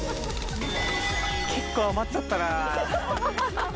結構余っちゃったな。